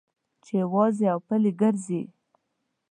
چې یوازې او پلي ګرځې.